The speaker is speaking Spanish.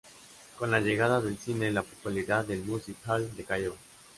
Con la llegada del cine, la popularidad del "Music Hall" decayó.